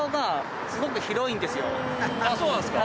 そうなんですか？